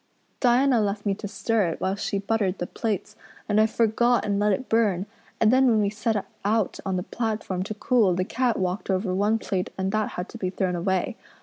Diana left me to stir it while she buttered the plates and I forgot and let it burn; and then when we set it out on the platform to cool the cat walked over one plate and that had to be thrown away.